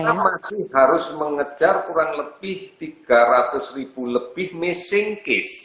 kita masih harus mengejar kurang lebih tiga ratus ribu lebih missing case